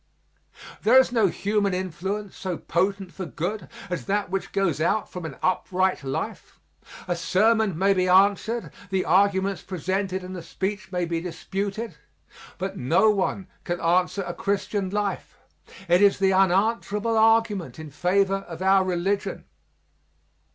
There is no human influence so potent for good as that which goes out from an upright life. A sermon may be answered; the arguments presented in a speech may be disputed, but no one can answer a Christian life it is the unanswerable argument in favor of our religion.